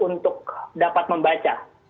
untuk dapat membaca